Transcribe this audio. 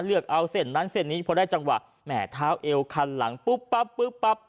เลือกเอาเส้นนั้นเส้นนี้พอได้จังหวะแหมเท้าเอวคันหลังปุ๊บปั๊บปุ๊บปั๊บ